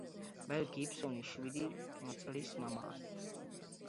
მელ გიბსონი შვიდი შვილის მამაა.